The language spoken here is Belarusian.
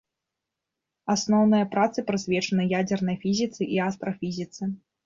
Асноўныя працы прысвечаны ядзернай фізіцы і астрафізіцы.